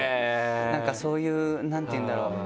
なんかそういう何ていうんだろう？